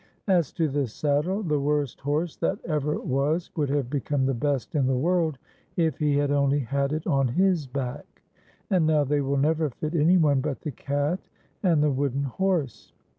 As to the saddle, the worst horse that ever was would have become the best in the world if he had only had it on his back ; and now they will never fit any one but the cat and the wooden horse."